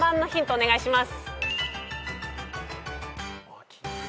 お願いします。